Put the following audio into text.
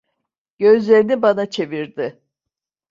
Gözlerini bana çevirdi.